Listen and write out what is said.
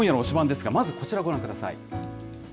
ですが、まずこちらご覧ください。